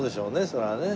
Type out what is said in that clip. それはね。